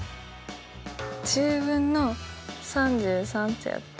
１０分の３３ってやって。